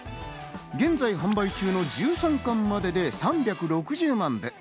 現在販売中の１３巻までで３６０万部。